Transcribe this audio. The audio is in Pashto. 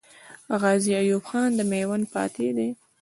غازي ایوب خان د میوند فاتح دی.